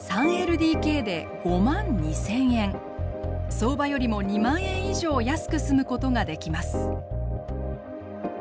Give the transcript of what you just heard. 相場よりも２万円以上安く住むことができます。